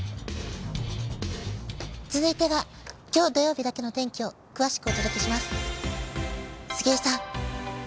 続いてはきょう土曜日だけの天気を詳しくお届けします。